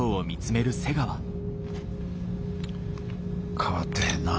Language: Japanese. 変わってへんなぁ。